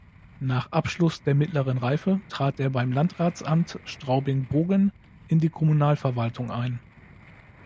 Nach Abschluss der Mittleren Reife trat er beim Landratsamt Straubing-Bogen in die Kommunalverwaltung ein.